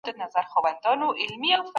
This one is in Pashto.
د کوچني په مابينځ کي مي خپله نامه ولیکله.